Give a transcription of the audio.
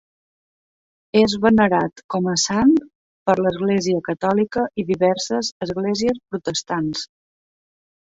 És venerat com a sant per l'Església catòlica i diverses esglésies protestants.